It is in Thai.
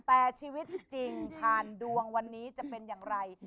แต่ชีวิตจริงผ่านดวงวันนี้จะเป็นอย่างไร